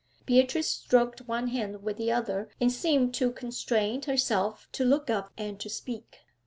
Beatrice stroked one hand with the other, and seemed to constrain herself to lock up and to speak.